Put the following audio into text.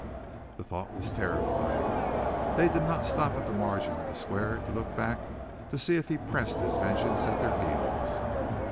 The thought was terrifying. They did not stop at the margin of the square to look back to see if he pressed his vengeance at their heels.